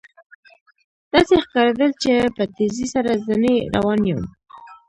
داسې ښکارېدل چې په تېزۍ سره ځنې روان یم.